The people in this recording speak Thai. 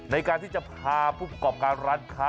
ในการที่จะพาผู้ประกอบการรัฐ